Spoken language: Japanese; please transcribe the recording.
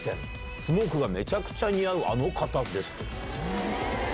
スモークがめちゃくちゃ似合うあの方です。